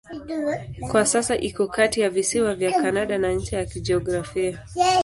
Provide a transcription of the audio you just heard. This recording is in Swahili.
Kwa sasa iko kati ya visiwa vya Kanada na ncha ya kijiografia.